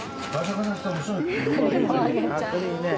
栗いいね。